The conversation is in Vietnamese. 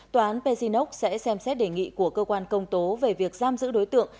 tòa án pezinov sẽ xem xét đề nghị của cơ quan công tố về việc giam giữ đối tượng